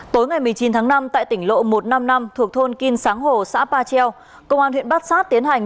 tối ngày một mươi chín tháng năm tại tỉnh lộ một trăm năm mươi năm thuộc thôn kim sáng hồ xã ba treo công an huyện bát sát tiến hành